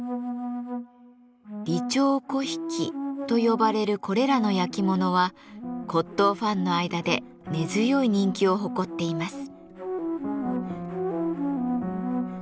李朝粉引と呼ばれるこれらの焼き物は骨とうファンの間で根強い人気を誇っています。